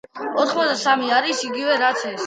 ოთხმოცდასამი არის იგივე რაც ეს.